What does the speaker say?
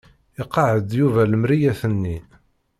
Iqeɛɛed Yuba lemriyat-nni.